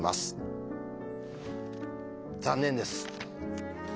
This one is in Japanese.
残念です。